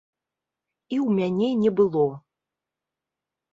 І ў мяне не было.